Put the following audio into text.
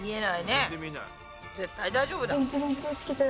絶対大丈夫だ。